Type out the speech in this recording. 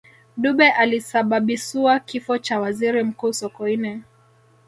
dube alisababisua kifo cha waziri mkuu sokoine